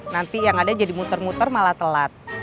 nanti yang ada jadi muter muter malah telat